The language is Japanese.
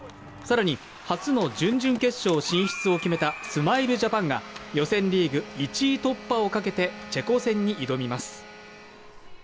さらに初の準々決勝進出を決めたスマイルジャパンが予選リーグ１位突破をかけてチェコ戦に挑みます